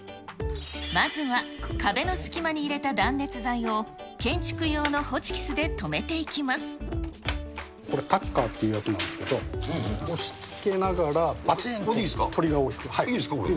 まずは、壁の隙間に入れた断熱材を、建築用のホチキスで留めていきまこれ、タッカーというやつなんですけど、いいですか、これ。